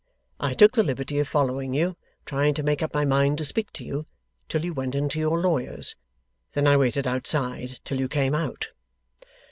I took the liberty of following you, trying to make up my mind to speak to you, till you went into your lawyer's. Then I waited outside till you came out.